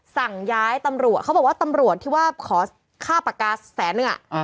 สั่งย้ายตำรวจเขาบอกว่าตำรวจที่ว่าขอค่าปากกาแสนนึง